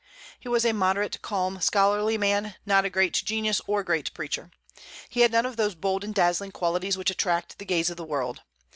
He was a moderate, calm, scholarly man, not a great genius or great preacher. He had none of those bold and dazzling qualities which attract the gaze of the world.